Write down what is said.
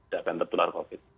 tetapkan tetunan covid